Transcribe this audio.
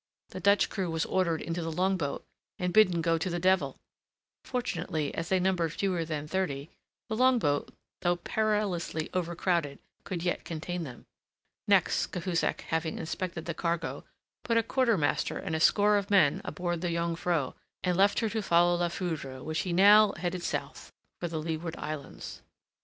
The Dutch crew was ordered into the longboat, and bidden go to the devil. Fortunately, as they numbered fewer than thirty, the longboat, though perilously overcrowded, could yet contain them. Next, Cahusac having inspected the cargo, put a quartermaster and a score of men aboard the Jongvrow, and left her to follow La Foudre, which he now headed south for the Leeward Islands.